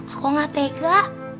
aku gak tega